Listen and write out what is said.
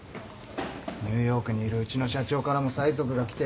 ニューヨークにいるうちの社長からも催促が来てる。